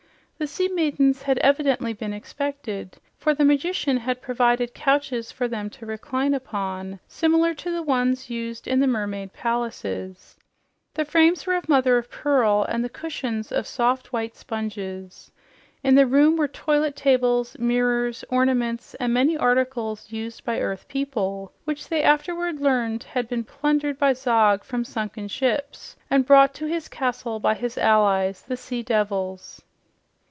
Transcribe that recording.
The sea maidens had evidently been expected, for the magician had provided couches for them to recline upon similar to the ones used in the mermaid palaces. The frames were of mother of pearl and the cushions of soft, white sponges. In the room were toilet tables, mirrors, ornaments and many articles used by earth people, which they afterward learned had been plundered by Zog from sunken ships and brought to his castle by his allies, the sea devils.